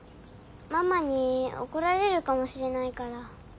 ママに怒られるかもしれないから。